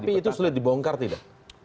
tapi itu sulit dibongkar tidak